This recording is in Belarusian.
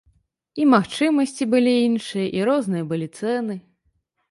І магчымасці былі іншыя, і розныя былі цэны.